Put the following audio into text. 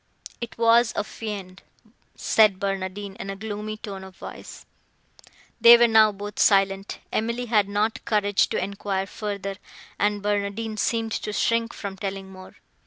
"It was a fiend," said Barnardine in a gloomy tone of voice. They were now both silent;—Emily had not courage to enquire further, and Barnardine seemed to shrink from telling more.